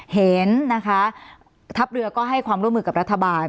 เห็นนะคะทัพเรือก็ให้ความร่วมมือกับรัฐบาล